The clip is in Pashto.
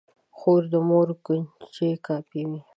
خور د مور کوچنۍ کاپي وي.